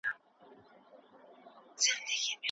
که تېر تاريخ ونه لوستل سي تېروتني تکرارېږي.